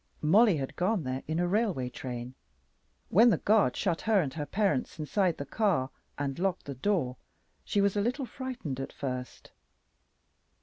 Mollie had gone there in a railway train. When the guard shut her and her parents inside the car and locked the door, she was a little frightened at first.